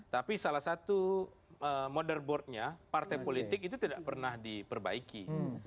tapi salah satu motherboardnya partai politik itu tidak pernah diperbaiki